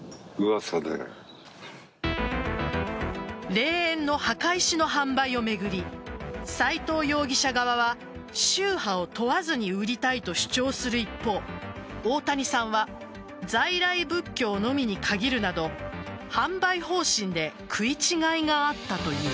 霊園の墓石の販売を巡り斎藤容疑者側は宗派を問わずに売りたいと主張する一方大谷さんは在来仏教のみに限るなど販売方針で食い違いがあったという。